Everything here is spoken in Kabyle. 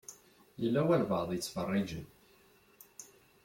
Yella walebɛaḍ i yettfeṛṛiǧen.